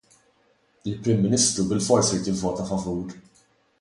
Il-Prim Ministru bilfors irid jivvota favur!